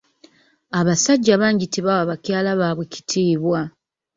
Abasajja bangi tebawa bakyala baabwe kitiibwa.